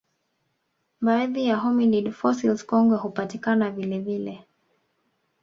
Baadhi ya hominid fossils kongwe hupatikana vilevile